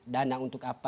dana untuk apa